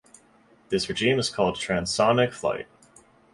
This regime is called transonic flight.